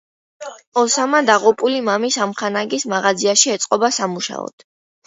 ოსამა დაღუპული მამის ამხანაგის მაღაზიაში ეწყობა სამუშაოდ.